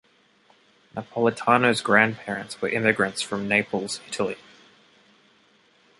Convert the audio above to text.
Napolitano's grandparents were immigrants from Naples, Italy.